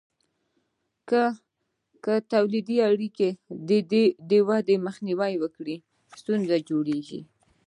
که تولیدي اړیکې د دې ودې مخنیوی وکړي، ستونزه جوړیږي.